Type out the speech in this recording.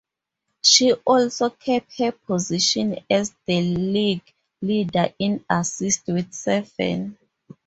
She also kept her position as the league leader in assists with seven.